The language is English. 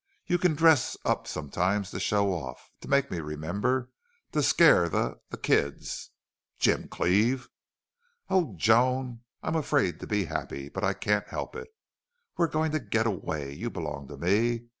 You can dress up sometimes to show off to make me remember to scare the the kids " "Jim Cleve!" "Oh, Joan, I'm afraid to be happy. But I can't help it. We're going to get away. You belong to me.